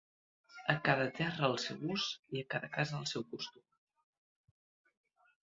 A cada terra el seu ús i a cada casa el seu costum.